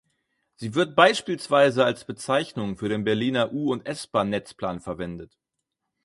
Sie wird beispielsweise als Bezeichnung für den Berliner U- und S-Bahn-Netzplan verwendet.